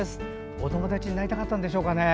お友達になりたかったんでしょうかね。